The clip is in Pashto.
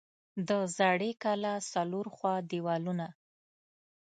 د زړې کلا څلور خوا دیوالونه